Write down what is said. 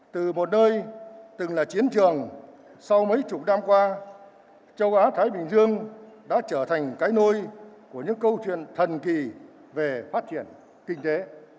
từ một nơi từng là chiến trường sau mấy chục năm qua châu á thái bình dương đã trở thành cái nôi của những câu chuyện thần kỳ về phát triển kinh tế